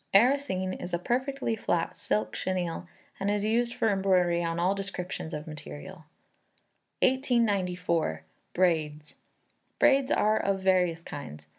Arrasene is a perfectly flat silk chenille and is used for embroidery on all descriptions of material. 1894. Braids. Braids are of various kinds.